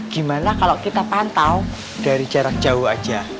gimana kalau kita pantau dari jarak jauh aja